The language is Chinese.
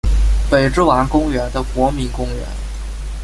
北之丸公园的国民公园。